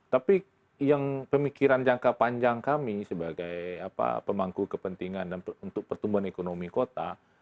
tapi yang pemikiran jangka panjang kami sebagai pemangku kepentingan untuk pertumbuhan ekonomi kota